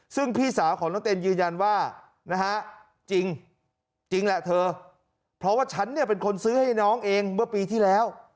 ซึ่งพี่สาวของน้องเต้นยืนยันว่านะฮะจริงแหละเธอเพราะว่าฉันเนี่ยเป็นคนซื้อให้น้องเองเมื่อปีที่แล้ว